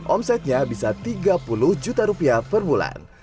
omsetnya bisa rp tiga puluh per bulan